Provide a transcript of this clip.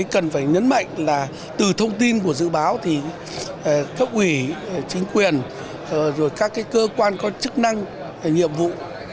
cần phải nhấn mạnh là từ thông tin của dự báo thì cấp ủy chính quyền các cơ quan có chức năng nhiệm vụ